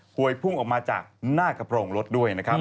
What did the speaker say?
ฮวยพุ่งออกมาจากหน้ากระโปรงรถด้วย